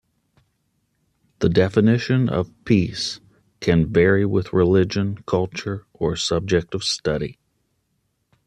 The definition of "peace" can vary with religion, culture, or subject of study.